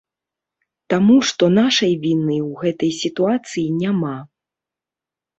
Таму што нашай віны ў гэтай сітуацыі няма.